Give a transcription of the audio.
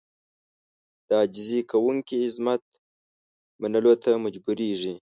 د عاجزي کوونکي عظمت منلو ته مجبورېږي.